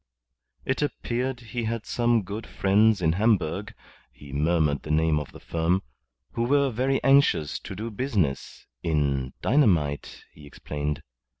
It appeared he had some good friends in Hamburg (he murmured the name of the firm) who were very anxious to do business, in dynamite, he explained.